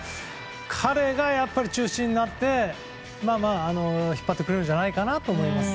彼が中心になって引っ張ってくれるんじゃないかと思います。